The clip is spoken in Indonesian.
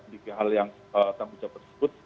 di hal yang tanggung jawab tersebut